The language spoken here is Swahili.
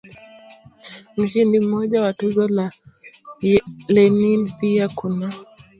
mshindi mmoja wa Tuzo ya Lenin Pia kuna